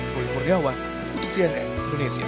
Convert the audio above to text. rony murniawan untuk cnn indonesia